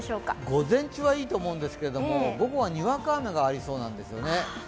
午前中はいいと思うんですけれども午後はにわか雨がありそうなんですよね。